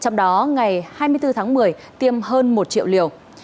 trong đó ngày hai mươi bốn tháng một mươi tiêm hơn một triệu liều